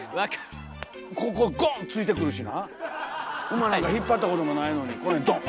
馬なんか引っ張ったこともないのにこの辺ドン！